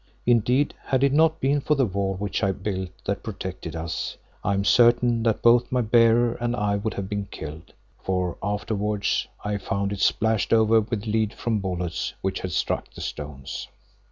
Indeed, had it not been for the wall which I built that protected us, I am certain that both my bearer and I would have been killed, for afterwards I found it splashed over with lead from bullets which had struck the stones.